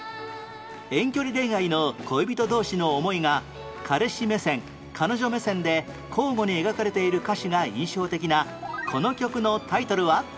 遠距離恋愛の恋人同士の思いが彼氏目線彼女目線で交互に描かれている歌詞が印象的なこの曲のタイトルは？